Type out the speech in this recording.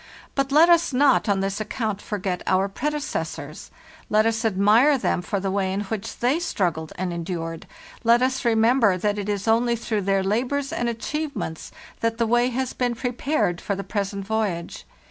But let us not on this account forget our predecessors; let us admire them for the way in which they struggled and endured; let us remember that it is only through their labors and achievements that the way has been prepared for the present voyage.